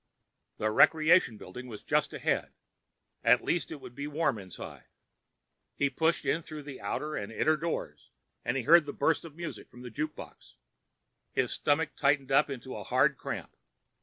The Recreation Building was just ahead; at least it would be warm inside. He pushed in through the outer and inner doors, and he heard the burst of music from the jukebox. His stomach tightened up into a hard cramp.